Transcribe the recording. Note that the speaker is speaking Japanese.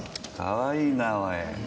かわいいなぁおい。